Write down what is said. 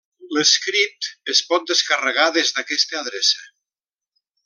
L'script es pot descarregar des d'aquesta adreça.